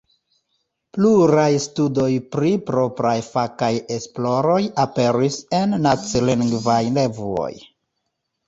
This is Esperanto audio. Pluraj studoj pri propraj fakaj esploroj aperis en nacilingvaj revuoj.